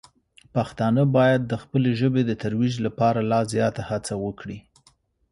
پښتانه باید د خپلې ژبې د ترویج لپاره لا زیاته هڅه وکړي.